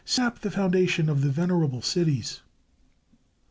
Sap the foundations of the venerable cities!